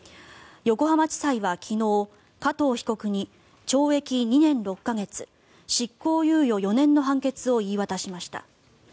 横浜地裁は昨日、加藤被告に懲役２年６か月執行猶予４年の判決を言い渡しました。